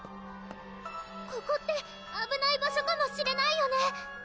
ここってあぶない場所かもしれないよね？